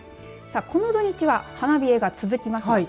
この土日は花冷えが続きます。